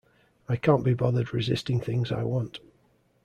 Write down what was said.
I can't be bothered resisting things I want.